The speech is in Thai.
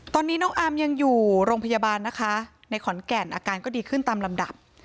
ตอนนี้น้องอาร์มยังอยู่โรงพยาบาลนะคะในขอนแก่นอาการก็ดีขึ้นตามลำดับ